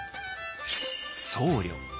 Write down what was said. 僧侶。